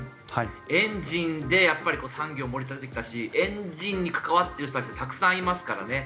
エンジンで産業を盛り立ててきたしエンジンに関わっている人たちはたくさんいますからね。